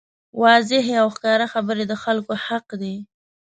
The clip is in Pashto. واضحې او ښکاره خبرې د خلکو حق دی.